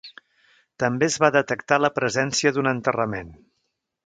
També es va detectar la presència d'un enterrament.